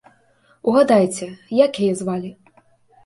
Угадайце, як яе звалі?